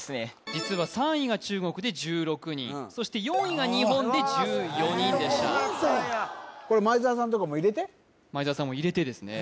実は３位が中国で１６人そして４位が日本で１４人でした前澤さんも入れてですね